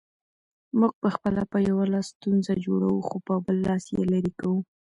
موږ پخپله په یو لاس ستونزه جوړوو، خو په بل لاس یې لیري کوو